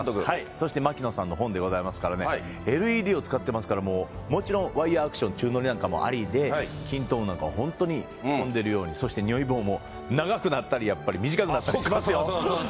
そしてまきのさんの本でございますからね、ＬＥＤを使ってますから、もう、もちろんワイヤアクション、宙乗りなんかもありで、きんとうんなんか本当に飛んでるように、そしてにょい棒も、長くなったり、やっぱり短くなったりしますよ。